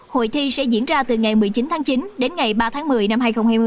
hội thi sẽ diễn ra từ ngày một mươi chín tháng chín đến ngày ba tháng một mươi năm hai nghìn hai mươi